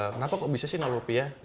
kenapa kok bisa sih rupiah